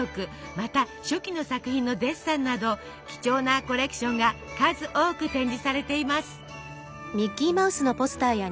また初期の作品のデッサンなど貴重なコレクションが数多く展示されています。